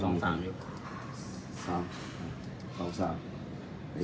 ส่วนสุดท้ายส่วนสุดท้าย